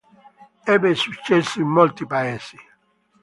Ebbe successo in molti Paesi.